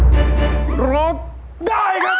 หรือว่าร้องได้ครับ